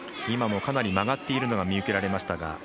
今もかなり曲がっているのが見受けられましたが。